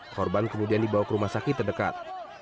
korban kemudian dibawa ke rumah sakit terdekat